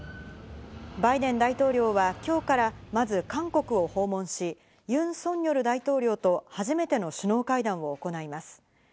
バイデン大統領は今日からまず韓国を訪問し、ユン・ソンニョル大統領と初めての首脳会談を行います。